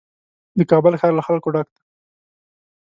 د کابل ښار له خلکو ډک دی.